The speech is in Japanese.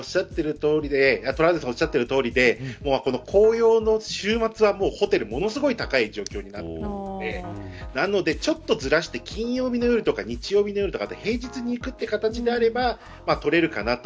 おっしゃってるとおりで紅葉の週末はホテルが、すごい高い状況になっているんでちょっとずらして金曜日の夜とか日曜日の夜とか平日に行くのであれば取れるかなと。